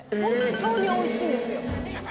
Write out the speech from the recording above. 本当に美味しいんですよ